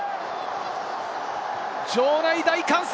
場内は大歓声！